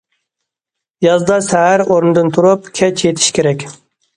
يازدا سەھەر ئورنىدىن تۇرۇپ، كەچ يېتىش كېرەك.